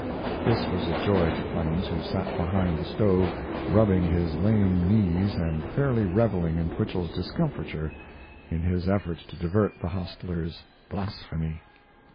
This was a joy to Clemens, who sat behind the stove, rubbing his lame knees and fairly reveling in Twichell's discomfiture in his efforts to divert the hostler's blasphemy.